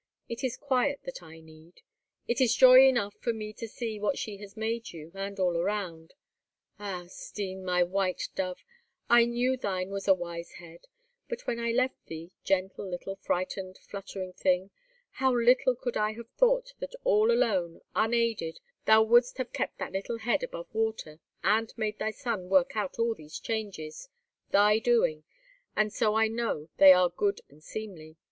It is quiet that I need. It is joy enough for me to see what she has made you, and all around. Ah! Stine, my white dove, I knew thine was a wise head; but when I left thee, gentle little frightened, fluttering thing, how little could I have thought that all alone, unaided, thou wouldst have kept that little head above water, and made thy son work out all these changes—thy doing—and so I know they are good and seemly.